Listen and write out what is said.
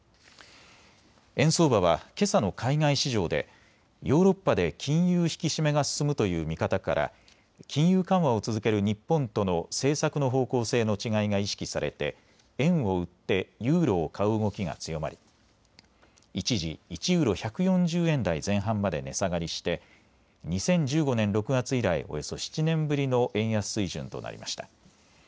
円相場はけさの海外市場でヨーロッパで金融引き締めが進むという見方から金融緩和を続ける日本との政策の方向性の違いが意識されて円を売ってユーロを買う動きが強まり一時、１ユーロ１４０円台前半まで値下がりして２０１５年６月以来、およそ７年ぶりの円安水準となりました。